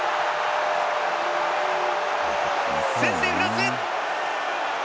先制はフランス！